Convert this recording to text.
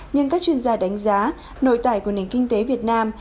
nhưng các chuyên gia đánh giá nội tại của nền kinh tế việt nam